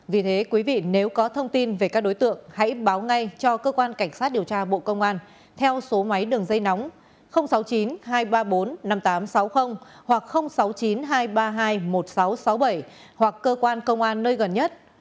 vì thế quý vị nếu có thông tin về các đối tượng hãy báo ngay cho cơ quan cảnh sát điều tra bộ công an theo số máy đường dây nóng sáu mươi chín hai trăm ba mươi bốn năm nghìn tám trăm sáu mươi hoặc sáu mươi chín hai trăm ba mươi hai một nghìn sáu trăm sáu mươi bảy hoặc cơ quan công an nơi gần nhất